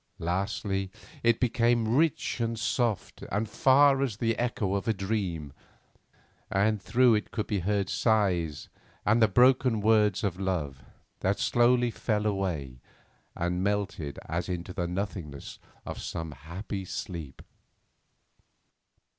Lastly, it became rich and soft and far as the echo of a dream, and through it could be heard sighs and the broken words of love, that slowly fell away and melted as into the nothingness of some happy sleep.